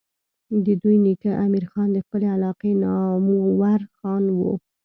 د دوي نيکه امير خان د خپلې علاقې نامور خان وو